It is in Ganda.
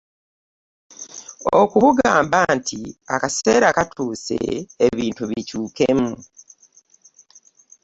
Okubugamba nti akaseera katuuse ebintu bikyukemu.